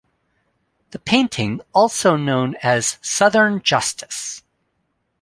The painting is also known as "Southern Justice".